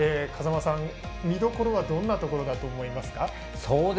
風間さん、見どころはどんなところだと思いますか。